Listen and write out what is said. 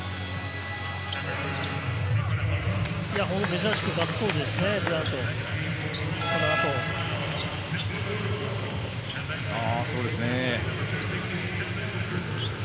珍しくガッツポーズですね。